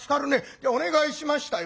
じゃあお願いしましたよ」。